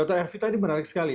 dr ervi tadi menarik sekali